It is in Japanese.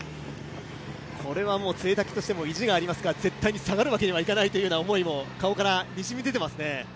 これは潰滝としても意地がありますから絶対に下がるわけにはいかないという思いが顔からにじみ出てますね。